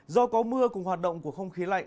do có mưa cùng hoạt động của không khí lạnh